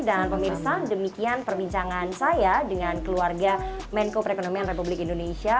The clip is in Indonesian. dan pemirsa demikian perbincangan saya dengan keluarga menko perekonomian republik indonesia